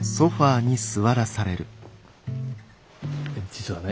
実はね